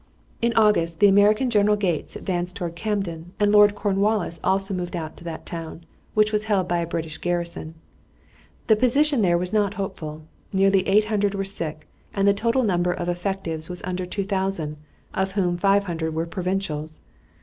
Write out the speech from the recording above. In August the American General Gates advanced toward Camden, and Lord Cornwallis also moved out to that town, which was held by a British garrison. The position there was not hopeful. Nearly 800 were sick, and the total number of effectives was under 2000, of whom 500 were provincials.